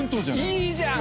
いいじゃん！